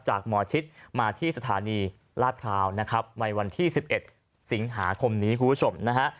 หมอชิดมาที่สถานีลาดพร้าวนะครับในวันที่๑๑สิงหาคมนี้คุณผู้ชมนะฮะ